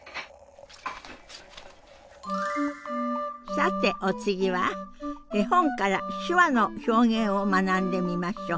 さてお次は絵本から手話の表現を学んでみましょう。